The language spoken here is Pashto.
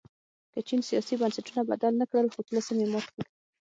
که چین سیاسي بنسټونه بدل نه کړل خو طلسم یې مات کړ.